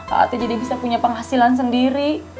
hati jadi bisa punya penghasilan sendiri